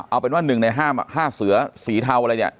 เอาเป็นว่า๑ใน๕เสือสีเทาอะไรเนี่ย